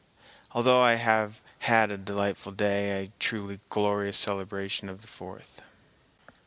Altogether I have had a delightful day, a truly glorious celebration of the fourth.